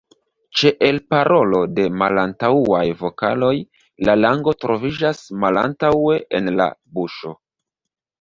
Ĉe elparolo de malantaŭaj vokaloj la lango troviĝas malantaŭe en la buŝo.